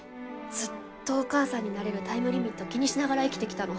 ずっとお母さんになれるタイムリミット気にしながら生きてきたの。